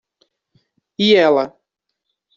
E ela?